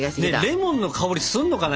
レモンの香りがするのかな？